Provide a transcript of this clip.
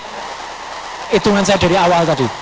hitungan saya dari awal tadi